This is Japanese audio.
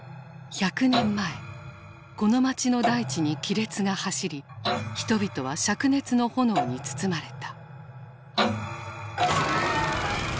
１００年前この街の大地に亀裂が走り人々はしゃく熱の炎に包まれた。